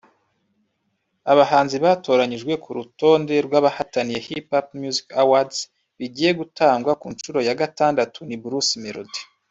Abahanzi batoranyijwe ku rutonde rw’abahataniye HiPipo Music Awards bigiye gutangwa ku nshuro ya gatandatu ni Bruce Melody